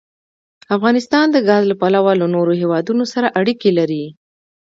افغانستان د ګاز له پلوه له نورو هېوادونو سره اړیکې لري.